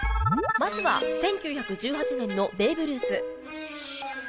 まずは１９１８年のベーブ・ルース。